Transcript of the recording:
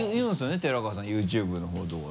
寺川さんＹｏｕＴｕｂｅのほうとかで。